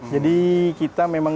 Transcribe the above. jadi kita memang